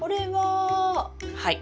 はい。